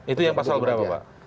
itu yang pasal berapa pak